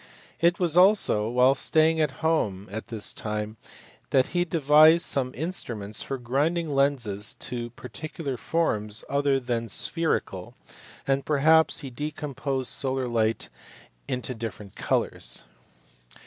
It was also while staying at home at this time that he devised some instruments for grinding lenses to particular forms other than spherical, and perhaps hr decomposed solar light into different colours.